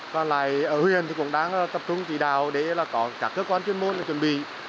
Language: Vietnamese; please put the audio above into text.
còn lại ở huyện cũng đang tập trung chỉ đạo để có các cơ quan chuyên môn chuẩn bị